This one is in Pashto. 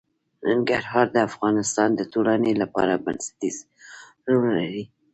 ننګرهار د افغانستان د ټولنې لپاره بنسټيز رول لري.